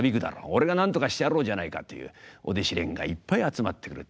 「俺がなんとかしてやろうじゃないか」というお弟子連がいっぱい集まってくる。